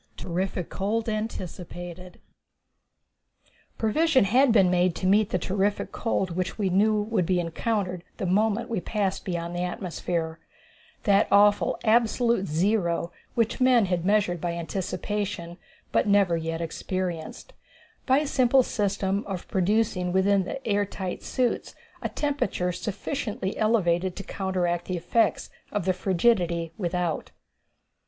Terrific Cold Anticipated. Provision had been made to meet the terrific cold which we knew would be encountered the moment we had passed beyond the atmosphere that awful absolute zero which men had measured by anticipation, but never yet experienced by a simple system of producing within the air tight suits a temperature sufficiently elevated to counteract the effects of the frigidity without.